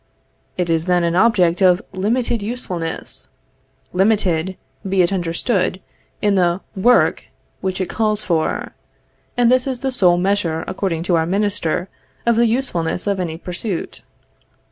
It is then an object of limited usefulness; limited, be it understood, in the work which it calls for; and this is the sole measure, according to our minister, of the usefulness of any pursuit.